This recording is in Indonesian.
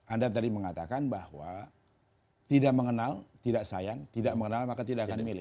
anda tadi mengatakan bahwa tidak mengenal tidak sayang tidak mengenal maka tidak akan milih